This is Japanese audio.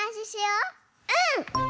うん。